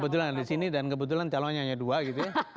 kebetulan ada di sini dan kebetulan calonnya hanya dua gitu ya